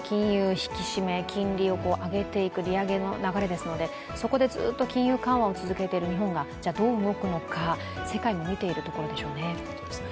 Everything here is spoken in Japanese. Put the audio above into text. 引き締め金利を上げていく利上げの流れですので、そこでずっと金融緩和を続けている日本がどう動くのか、世界も見ているところでしょうね。